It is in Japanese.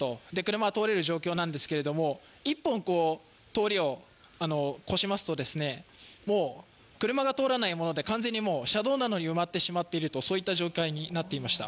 車は通れる状況なんですけれども一本通りを越しますと、もう車が通らないもので完全に車道なのに埋まってしまっていると、そういった状態になっていました。